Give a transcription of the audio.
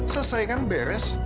selesai kan beres